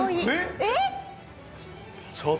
えっ！